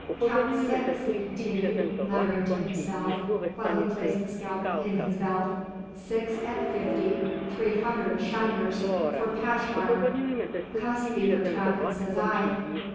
"Counts six," he continued, muttering to himself while placing the scalp in his belt; "six at fifty three hunder shiners for 'Pash har; cuss beaver trappin'! says I."